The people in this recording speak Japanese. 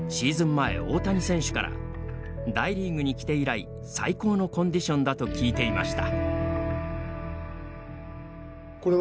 前大谷選手から大リーグに来て以来最高のコンディションだと聞いていました。